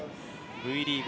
Ｖリーグ